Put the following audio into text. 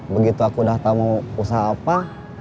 begitu aku udah tahu mau usaha apa